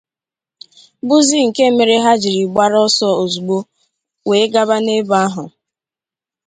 bụzị nke mere ha jiri gbara ọsọ ozigbo wee gaba n'ebe ahụ